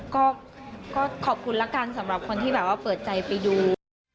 ก็ขอบคุณแล้วกันสำหรับคนที่แบบว่าเปิดใจไปดู